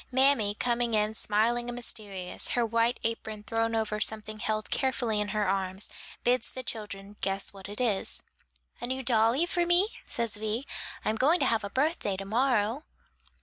Mammy coming in smiling and mysterious, her white apron thrown over something held carefully in her arms, bids the children guess what it is. "A new dolly for me?" says Vi; "I'm going to have a birthday to morrow."